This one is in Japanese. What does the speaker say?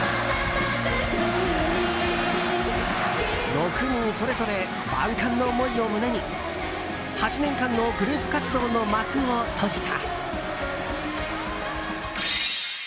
６人それぞれ万感の思いを胸に８年間のグループ活動の幕を閉じた。